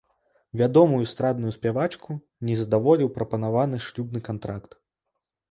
Вядомую эстрадную спявачку не задаволіў прапанаваны шлюбны кантракт.